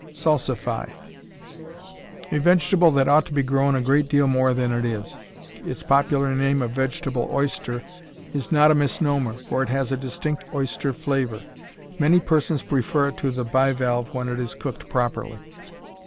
Salsify A vegetable that ought to be grown a great deal more than it is. Its popular name of "vegetable oyster" is not a misnomer, for it has a distinct oyster flavor. Many persons prefer it to the bivalve, when it is cooked properly.